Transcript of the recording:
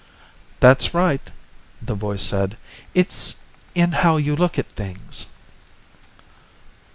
"That's right," the voice said. "It's in how you look at things."